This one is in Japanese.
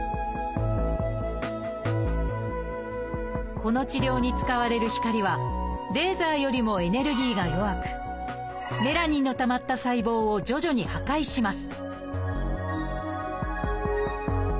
この治療に使われる光はレーザーよりもエネルギーが弱くメラニンのたまった細胞を徐々に破壊します